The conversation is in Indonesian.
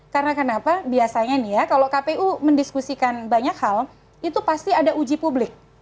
karena kenapa biasanya nih ya kalau kpu mendiskusikan banyak hal itu pasti ada uji publik